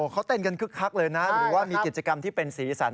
เขาเต้นกันคึกคักเลยนะหรือว่ามีกิจกรรมที่เป็นสีสัน